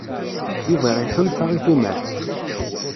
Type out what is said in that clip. Yuba iḥulfa i tumert.